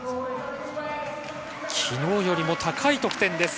昨日よりも高い得点です。